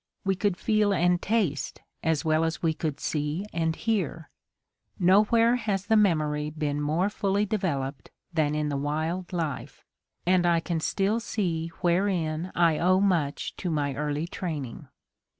We could feel and taste as well as we could see and hear. Nowhere has the memory been more fully developed than in the wild life, and I can still see wherein I owe much to my early training.